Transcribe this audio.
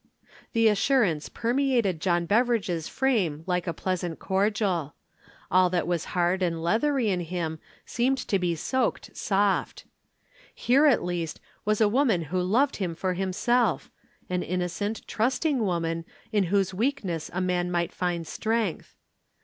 The assurance permeated John Beveridge's frame like a pleasant cordial. All that was hard and leathery in him seemed to be soaked soft. Here, at last, was a woman who loved him for himself an innocent, trusting woman in whose weakness a man might find strength.